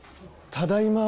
ただいま。